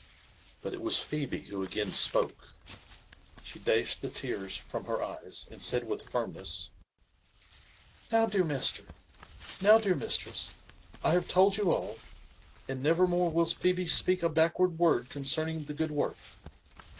But it was Phebe who again spoke. She dashed the tears from her eyes, and said with firmness, '' Now, dear master — now, dear mistress, I have told you all, and never mSre will Phebe speak a backward word concerning (he good work.